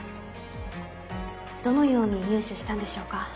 どのように入手したんでしょうか？